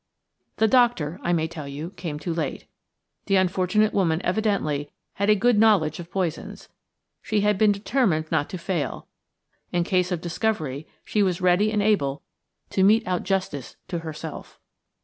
The doctor, I may tell you, came too late. The unfortunate woman evidently had a good knowledge of poisons. She had been determined not to fail; in case of discovery, she was ready and able to mete out justice to herself.